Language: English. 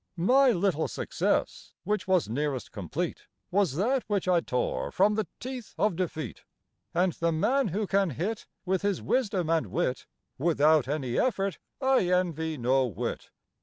My little success which was nearest complete Was that which I tore from the teeth of defeat, And the man who can hit With his wisdom and wit Without any effort, I envy no whit.